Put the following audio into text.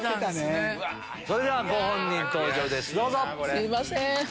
それではご本人登場ですどうぞ！